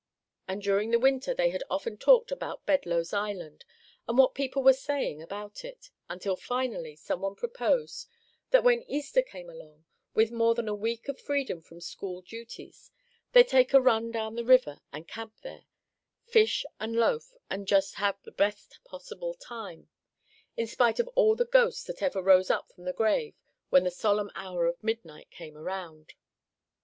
And during the winter they had often talked about Bedloe's Island, and what people were saying about it; until finally some one proposed that when Easter came along, with more than a week of freedom from school duties, they take a run down the river, and camp there; fish and loaf, and just have the best possible time, in spite of all the ghosts that ever rose up from the grave when the solemn hour of midnight came around.